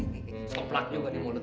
ini soplak juga di mulut